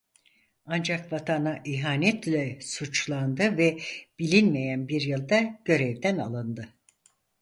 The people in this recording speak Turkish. Ancak vatana ihanetle suçlandı ve bilinmeyen bir yılda görevden alındı.